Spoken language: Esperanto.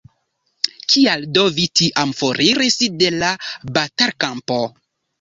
Kial do vi tiam foriris de la batalkampo?